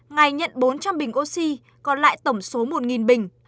ngày nhận bốn trăm linh bình oxy còn lại tổng số một bình